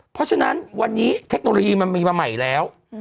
เพราะฉะนั้นวันนี้เทคโนโลยีมันมีมาใหม่แล้ว